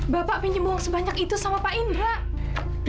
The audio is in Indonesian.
bapak pinjam uang sebanyak itu sama pak indra